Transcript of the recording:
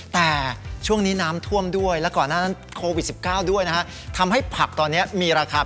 แต่ช่วงนี้น้ำท่วมด้วยแล้วก่อนหน้านั้นโควิด๑๙ด้วยนะฮะทำให้ผักตอนนี้มีราคา